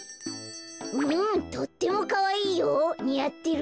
うんとってもかわいいよにあってる。